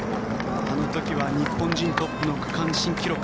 あの時は日本人トップの区間新記録。